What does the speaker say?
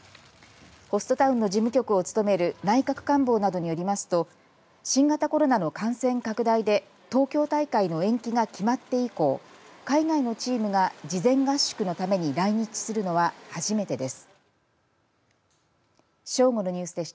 ホストタウンの事務局を務める内閣官房などによりますと新型コロナの感染拡大で東京大会の延期が決まって以降海外のチームが事前合宿のために来日するのは初めてです。